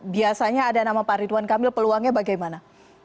biasanya ada nama pak ridwan kamil peluangnya bagaimana